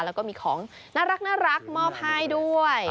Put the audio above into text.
แล้วก็มีของน่ารักมอบให้ด้วย